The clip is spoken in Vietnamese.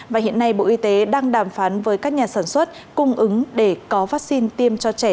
và hiện nay bộ y tế đang đàm phán với các nhà sản xuất cung ứng để có vaccine tiêm cho trẻ